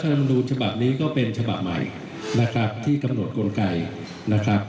แล้วรัฐบาลบินูชะบับนี้ก็เป็นชะบับใหม่นะครับที่กำหนดกลไกรนะครับ